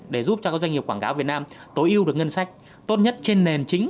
để giúp cho các doanh nghiệp quảng cáo việt nam tối ưu được ngân sách tốt nhất trên nền chính